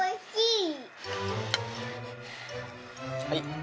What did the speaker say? はい。